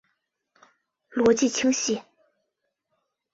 逻辑清晰！